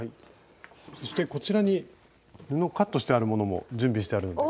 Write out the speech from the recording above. そしてこちらに布をカットしてあるものも準備してあるので。